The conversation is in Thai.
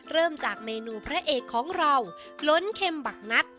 เริ่มจากเมนูพระเอกของเราล้นเข็มบักนัด